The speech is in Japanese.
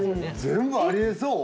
全部ありえそう？